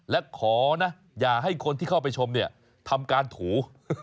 และขอนะอย่าให้คนที่เข้าไปชมเนี่ยทำการถู